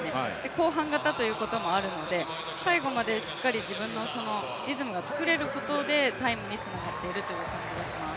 後半型ということもあるので、最後までしっかり自分のリズムが作れることでタイムにつながっているという感じがします。